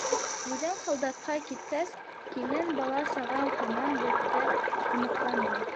Үҙең һалдатҡа киткәс, килен, бала-сағаң һаман беҙҙә тамаҡланды.